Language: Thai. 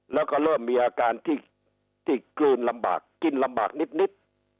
แล้วก็เริ่มมีอาการที่กลืนลำบากกินลำบากนิด